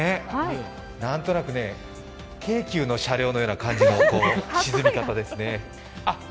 なんとなくね、京急の車両のような感じの沈み方ですね。